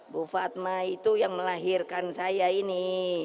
bu fatma itu yang melahirkan saya ini